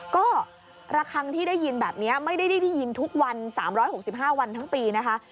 ก็ระคังที่ได้ยินแบบนี้ไม่ได้ได้ยินทุกวัน๓๖๕วันทั้งปีนะคะ